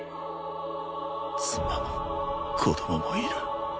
妻も子供もいる